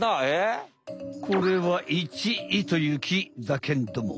これはイチイという木だけんども。